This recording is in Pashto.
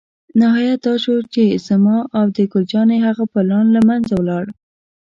نهایت دا شو چې زما او د ګل جانې هغه پلان له منځه ولاړ.